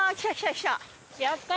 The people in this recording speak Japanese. やったー！